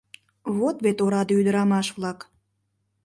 — Вот вет ораде ӱдрамаш-влак...